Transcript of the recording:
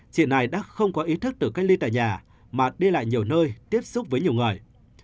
chị này đã không có ý thức tự cách ly tại nhà mà đi lại nhiều nơi tiếp xúc với nhiều người